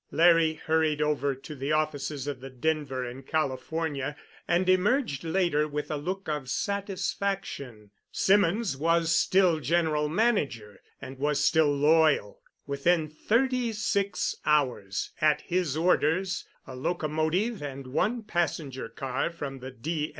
Larry hurried over to the offices of the Denver and California and emerged later with a look of satisfaction. Symonds was still General Manager and was still loyal. Within thirty six hours, at his orders, a locomotive and one passenger car from the D.